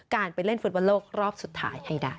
การไปเล่นฟุตบอลโลกรอบสุดท้ายให้ได้